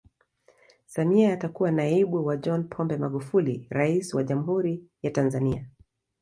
Samia atakuwa naibu wa John Pombe Magufuli rais wa Jamhuri ya Tanzania